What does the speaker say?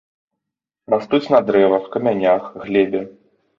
Растуць на дрэвах, камянях, глебе.